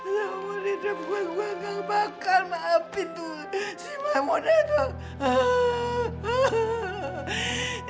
ya ampun indra gue gak bakal maapin tuh si mahmudnya tuh